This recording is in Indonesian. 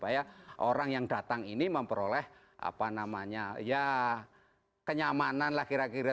supaya orang yang datang ini memperoleh apa namanya ya kenyamanan lah kira kira